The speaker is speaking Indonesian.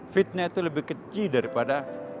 fitnah itu lebih keji daripada